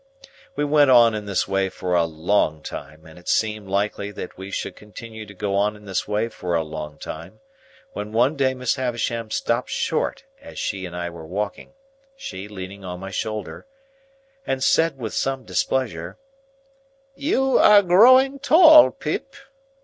We went on in this way for a long time, and it seemed likely that we should continue to go on in this way for a long time, when one day Miss Havisham stopped short as she and I were walking, she leaning on my shoulder; and said with some displeasure,— "You are growing tall, Pip!"